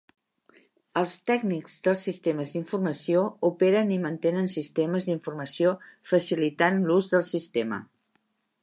Els tècnics dels sistemes d'informació operen i mantenen sistemes d'informació, facilitant l'ús del sistema.